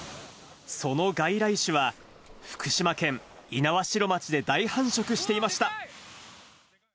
その外来種は、福島県猪苗代町で大繁殖していました。